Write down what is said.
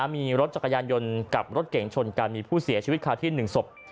มีรถจักรยานยนต์กับรถเก่งชนกันมีผู้เสียชีวิตคาที่๑ศพ